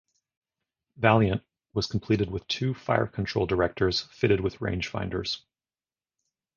"Valiant" was completed with two fire-control directors fitted with rangefinders.